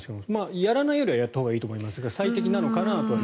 やらないよりはやったほうがいいと思いますが最適なのかな？と。